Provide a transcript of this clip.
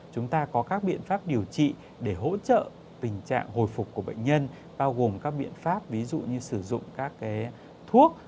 chúng ta có các biện pháp điều trị để hỗ trợ tình trạng hồi phục của bệnh nhân bao gồm các biện pháp ví dụ như sử dụng các thuốc